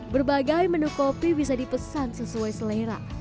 berbagai menu kopi bisa dipesan sesuai selera